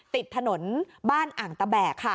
ติดถนนบ้านอ่างตะแบกค่ะ